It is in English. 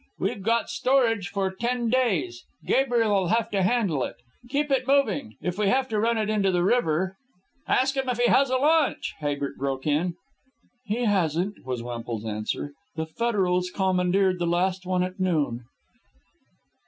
We've got storage for ten days. Gabriel'll have to handle it. Keep it moving, if we have to run it into the river " "Ask him if he has a launch," Habert broke in. "He hasn't," was Wemple's answer. "The federals commandeered the last one at noon."